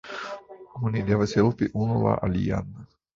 Oni devas helpi unu la alian.